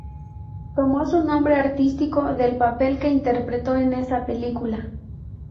Tomó su nombre artístico del papel que interpretó en esa película.